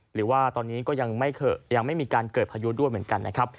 หรือว่าตอนนี้ก็ยังไม่มีการเกิดพายุด้วยเหมือนกันนะครับ